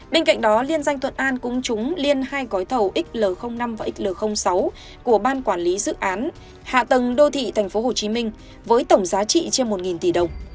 bên cạnh đó liên danh thuận an cũng trúng liên hai gói thầu xl năm và xl sáu của ban quản lý dự án hạ tầng đô thị tp hcm với tổng giá trị trên một tỷ đồng